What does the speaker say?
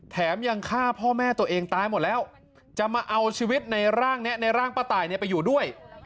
ยังฆ่าพ่อแม่ตัวเองตายหมดแล้วจะมาเอาชีวิตในร่างนี้ในร่างป้าตายไปอยู่ด้วย